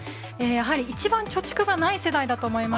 やはり一番貯蓄がない世代だと思います。